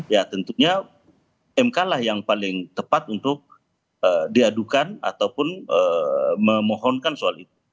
ya tentunya mk lah yang paling tepat untuk diadukan ataupun memohonkan soal itu